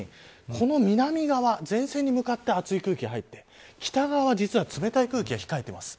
この南側、前線に向かってあつい空気が入って北側は、実は冷たい空気が控えています。